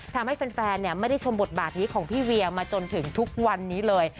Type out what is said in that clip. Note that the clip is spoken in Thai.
ทำให้แฟนไม่ได้ชมบทบาทนี้ของพี่เวียมาจนถึงทุกวันนี้เลย